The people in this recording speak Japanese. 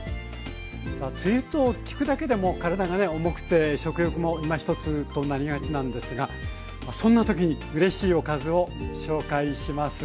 梅雨と聞くだけでもう体がね重くて食欲もいまひとつとなりがちなんですがそんな時にうれしいおかずを紹介します。